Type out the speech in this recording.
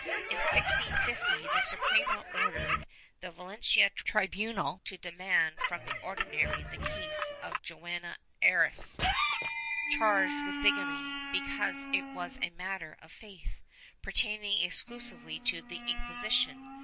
In 1650 the Suprema ordered the ^^alencia tribunal to demand from the Ordinary the case of Joana Arais, charged with bigamy, because it was a matter of faith, pertaining exclusively to the Inquisition.